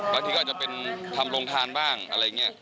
บางทีก็อาจจะเป็นทำโรงทานบ้างอะไรอย่างนี้